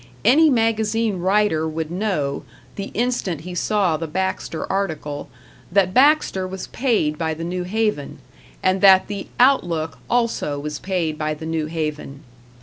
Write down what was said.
Any magazine writer would know, the instant he saw the Baxter article, that Baxter was paid by the New Haven, and that the "Outlook" also was paid by the New Haven.